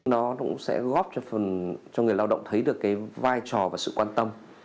nó cũng sẽ góp phần cho người lao động thấy được cái vai trò và sự quan tâm